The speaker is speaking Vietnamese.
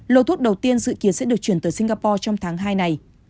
lô thuốc đầu tiên dự kiến sẽ được chuyển tới singapore trong tháng hai này